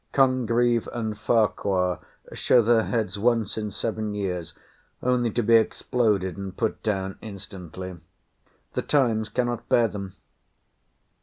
Congreve and Farquhar show their heads once in seven years only, to be exploded and put down instantly. The times cannot bear them.